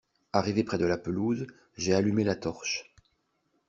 Arrivé près de la pelouse, j’ai allumé la torche.